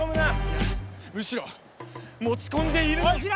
いやむしろ持ち込んでいるのは。